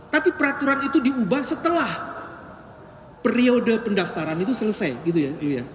tapi peraturan itu diubah setelah periode pendaftaran itu selesai gitu ya